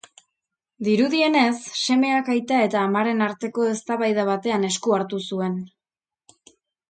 Dirudienez, semeak aita eta amaren arteko eztabaida batean esku hartu zuen.